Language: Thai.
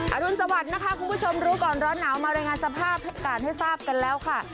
อรุณสวัสดิ์นะคะคุณผู้ชมรู้ก่อนร้อนหนาวมารายงานสภาพอากาศให้ทราบกันแล้วค่ะ